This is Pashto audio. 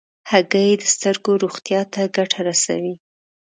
هګۍ د سترګو روغتیا ته ګټه رسوي.